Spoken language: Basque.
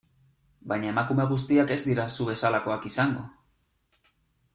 Baina emakume guztiak ez dira zu bezalakoak izango...